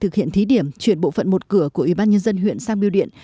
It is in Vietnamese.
thực hiện thí điểm chuyển bộ phận một cửa của ubnd huyện sang biêu điện